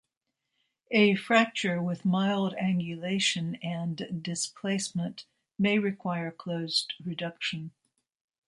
A fracture with mild angulation and displacement may require closed reduction.